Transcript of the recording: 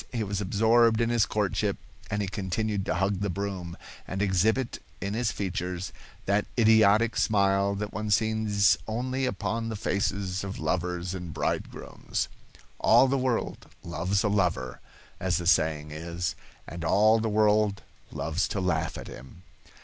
He was absorbed in his courtship, and he continued to hug the broom, and exhibit in his features that idiotic smile that one sees only upon the faces of lovers and bridegrooms. "All the world loves a lover," as the saying is, and all the world loves to laugh at him.